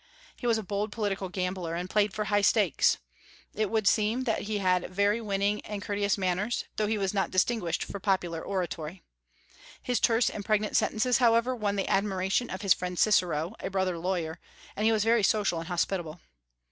He was a bold political gambler, and played for high stakes. It would seem that he had very winning and courteous manners, though he was not distinguished for popular oratory. His terse and pregnant sentences, however, won the admiration of his friend Cicero, a brother lawyer, and he was very social and hospitable.